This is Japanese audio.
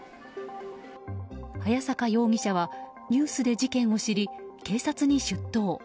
早坂容疑者はニュースで事件を知り警察に出頭。